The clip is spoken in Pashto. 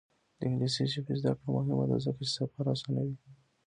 د انګلیسي ژبې زده کړه مهمه ده ځکه چې سفر اسانوي.